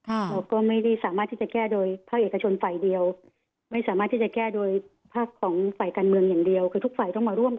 เราก็ไม่ได้สามารถที่จะแก้โดยภาคเอกชนฝ่ายเดียวไม่สามารถที่จะแก้โดยภาคของฝ่ายการเมืองอย่างเดียวคือทุกฝ่ายต้องมาร่วม